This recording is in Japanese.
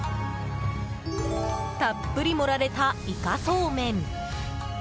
たっぷり盛られたイカそうめん。